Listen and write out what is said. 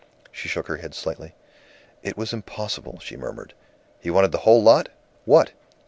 She shook her head slightly. "It was impossible," she murmured. "He wanted the whole lot? What?"